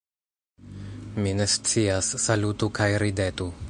Mi ne scias. Salutu kaj ridetu...